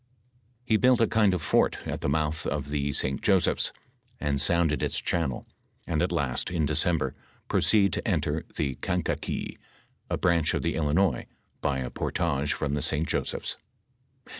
He built a kind of fort at the mouth of the St. Joseph^s and sounded its channel, and, at last, in December, proceed to enter tlie Kankakee, a branch of the Illinois, by a portage from the St. Josepli^s.